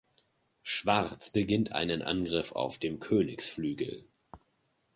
Schwarz beginnt einen Angriff auf dem Königsflügel.